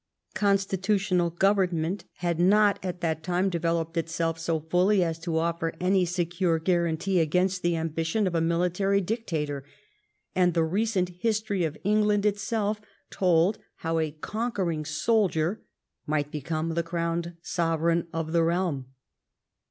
Constitutional government had not at that time devel oped itself so fully as to offer any secure guarantee against the ambition of a military dictator, and the recent history of England itself told how a conquering soldier might become the crowned sovereign of the realm.